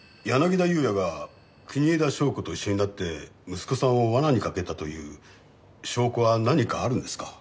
柳田裕也が国枝祥子と一緒になって息子さんを罠に掛けたという証拠は何かあるんですか？